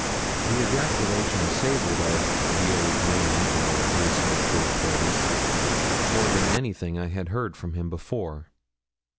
The ejaculation savoured of 'the old man,' to borrow his scriptural phrase, more than anything I had heard from him before.